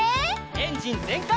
エンジンぜんかい！